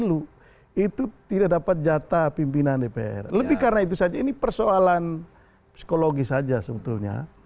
setelah jeda berikutnya